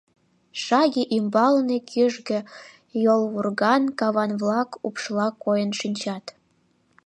Шаге ӱмбалне кӱжгӧ йолвурган каван-влак упшла койын шинчат.